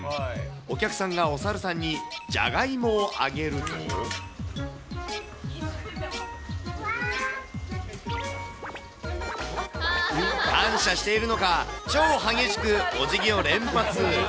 お客さんがお猿さんにジャガイモをあげると。感謝しているのか、超激しくおじぎを連発。